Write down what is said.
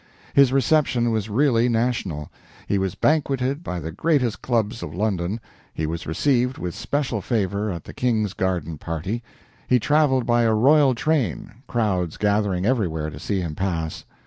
His reception was really national. He was banqueted by the greatest clubs of London, he was received with special favor at the King's garden party, he traveled by a royal train, crowds gathering everywhere to see him pass.